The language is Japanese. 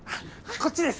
こっちです。